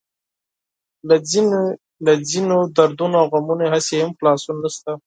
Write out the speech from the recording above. له ځينو دردونو او غمونو هسې هم خلاصون نشته.